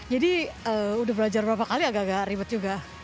jadi udah belajar beberapa kali agak agak ribet juga